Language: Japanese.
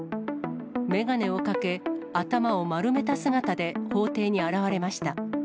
眼鏡をかけ、頭を丸めた姿で法廷に現れました。